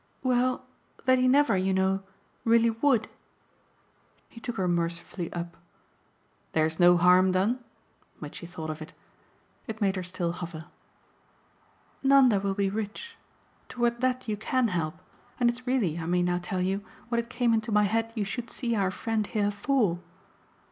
"Well, that he never, you know, really WOULD " He took her mercifully up. "There's no harm done?" Mitchy thought of it. It made her still hover. "Nanda will be rich. Toward that you CAN help, and it's really, I may now tell you, what it came into my head you should see our friend here FOR."